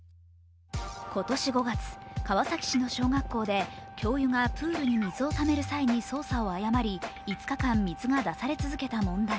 今年５月、川崎市の小学校で教諭がプールに水をためる際に操作を誤り、５日間水が出され続けた問題。